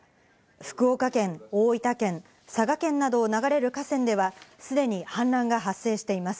福岡県、大分県、佐賀県などを流れる河川では既に氾濫が発生しています。